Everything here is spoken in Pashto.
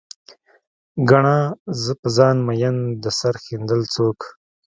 ګڼه، زه په ځان مين د سر ښندل څوک